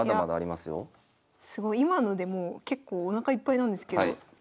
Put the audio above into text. すごい今のでもう結構おなかいっぱいなんですけど。